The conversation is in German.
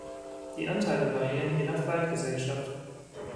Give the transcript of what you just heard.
Die Anteile variieren je nach Waldgesellschaft.